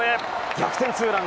逆転ツーラン。